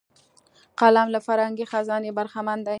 قلم له فرهنګي خزانې برخمن دی